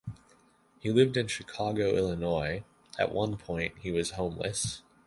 He lived in Chicago, Illinois; at one point, he was homeless.